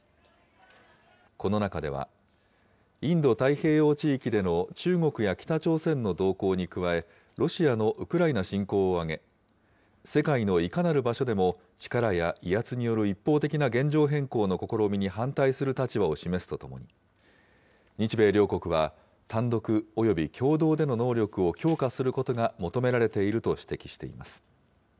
この中では、インド太平洋地域での中国や北朝鮮の動向に加え、ロシアのウクライナ侵攻を挙げ、世界のいかなる場所でも、力や威圧による一方的な現状変更の試みに反対する立場を示すとともに、日米両国は単独および共同での能力を強化することが求められていると指摘しています。